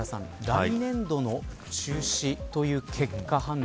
来年度の中止という結果判断